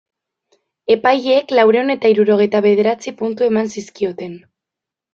Epaileek laurehun eta hirurogeita bederatzi puntu eman zizkioten.